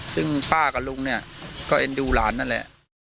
ซึ่งป้ากับลุงเนี่ยก็เอ็นดูหลานนั่นแหละ